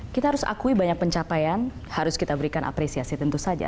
kita harus akui banyak pencapaian harus kita berikan apresiasi tentu saja